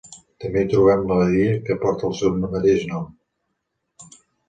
També hi trobem la badia que porta el seu mateix nom.